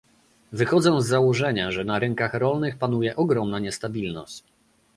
Wychodzę z założenia, że na rynkach rolnych panuje ogromna niestabilność